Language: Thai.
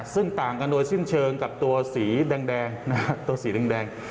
ซึ่งต่างกันโดยชิ้นเชิงกับตัวสีแดง